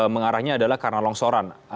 mengarahnya adalah karena longsoran